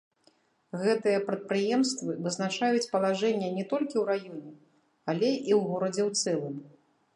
Гэтыя прадпрыемствы вызначаюць палажэнне не толькі ў раёне, але і ў горадзе ў цэлым.